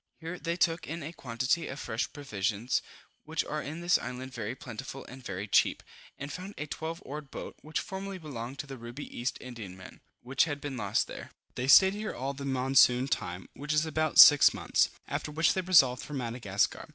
Here they took in a quantity of fresh provisions, which are in this island very plentiful and very cheap, and found a twelve oared boat, which formerly belonged to the Ruby East Indiaman, which had been lost there. They stayed here all the monsoon time, which is about six months; after which they resolved for Madagascar.